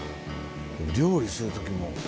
料理する時も？